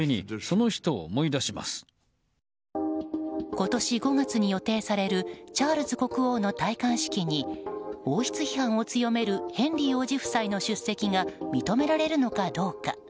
今年５月に予定されるチャールズ国王の戴冠式に王室批判を強めるヘンリー王子夫妻の出席が認められるのかどうか。